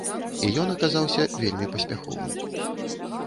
І ён аказаўся вельмі паспяховым.